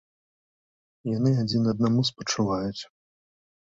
Яны адзін аднаму спачуваюць.